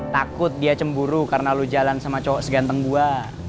takut dia cemburu karena lu jalan sama seganteng gua